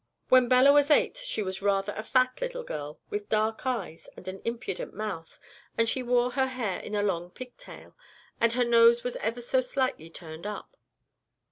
"When Bella was eight she was rather a fat little girl, with dark eyes and an impudent mouth, and she wore her hair in a long pigtail, and her nose was ever so slightly turned up.